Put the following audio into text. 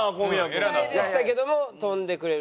１回でしたけども飛んでくれる。